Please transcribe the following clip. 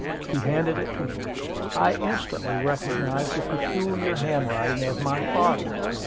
He handed it to me. I instantly recognized the peculiar handwriting of my father.